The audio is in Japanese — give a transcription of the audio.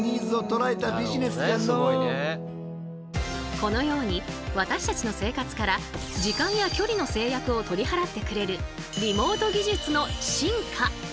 このように私たちの生活から時間や距離の制約を取り払ってくれるリモート技術の進化。